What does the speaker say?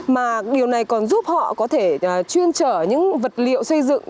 mà điều này còn giúp họ có thể chuyên trở những vật liệu xây dựng